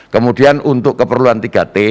kemudian untuk keperluan tiga t